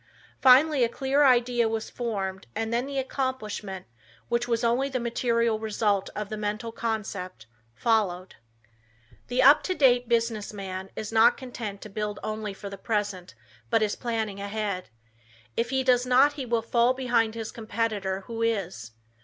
Finally a clear idea was formed and then the accomplishment, which was only the material result of the mental concept, followed. The up to date business man is not content to build only for the present, but is planning ahead. If he does not he will fall behind his competitor, who is.